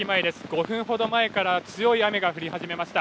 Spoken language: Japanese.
５分ほど前から強い雨が降り始めました。